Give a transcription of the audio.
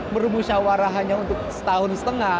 bermusyawarah hanya untuk setahun setengah